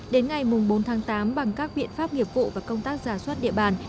đến ngày bốn tháng tám bằng các biện pháp nghiệp vụ và công tác giả soát địa bàn